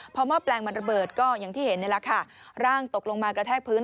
พอหม้อแปลงมันระเบิดก็อย่างที่เห็นนี่แหละค่ะร่างตกลงมากระแทกพื้น